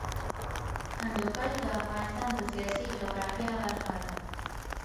هندوکش د افغانستان د سیاسي جغرافیه برخه ده.